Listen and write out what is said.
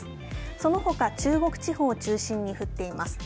そのほか中国地方を中心に降っています。